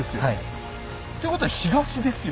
ということは東ですよ。